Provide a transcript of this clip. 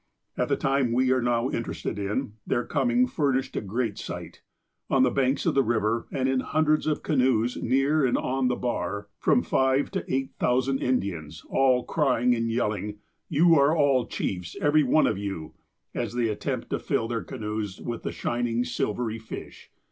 At the time we are now interested in, their coming fur nished a great sight. On the banks of the river, and in hundreds of canoes near and on the bar, from five to eight thousand Indians, all crying and yelling: ''You are all chiefs, every one of you !" as they attempt to fill their canoes with the shining, silvery fish.